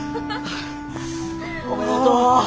おめでとう。